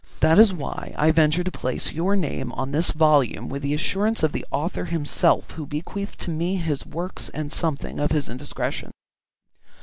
That is why I venture to place your name on this volume with the assurance of the author himself who bequeathed to me his works and something of his indiscretion.